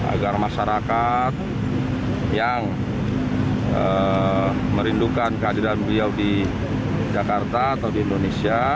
agar masyarakat yang merindukan kehadiran beliau di jakarta atau di indonesia